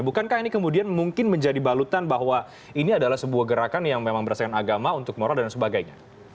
bukankah ini kemudian mungkin menjadi balutan bahwa ini adalah sebuah gerakan yang memang berdasarkan agama untuk moral dan sebagainya